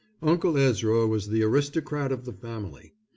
Uncle Ezra was the aristocrat of the family.